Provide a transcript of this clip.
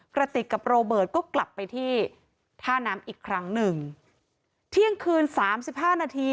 กระติกกับโรเบิร์ตก็กลับไปที่ท่าน้ำอีกครั้งหนึ่งเที่ยงคืนสามสิบห้านาที